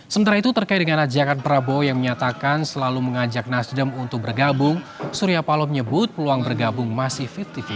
sementara itu terkait dengan ajakan prabowo yang menyatakan selalu mengajak nasdem untuk bergabung surya paloh menyebut peluang bergabung masih lima puluh lima